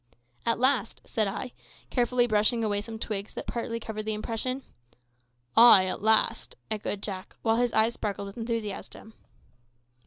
"At last!" said I, carefully brushing away some twigs that partly covered the impression. "Ay, at last!" echoed Jack, while his eyes sparkled with enthusiasm.